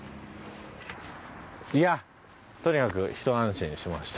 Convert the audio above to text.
いやとにかく一安心しました。